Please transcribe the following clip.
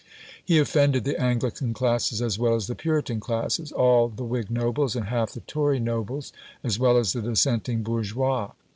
He offended the Anglican classes as well as the Puritan classes; all the Whig nobles, and half the Tory nobles, as well as the dissenting bourgeois.